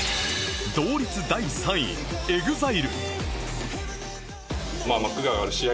同率第３位 ＥＸＩＬＥ